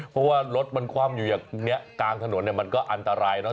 เพราะว่ารถมันคว่ำอยู่อย่างนี้กลางถนนเนี่ยมันก็อันตรายเนอ